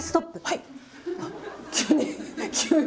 はい。